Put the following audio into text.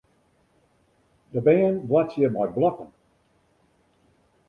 De bern boartsje mei blokken.